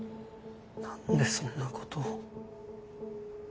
何でそんなこと。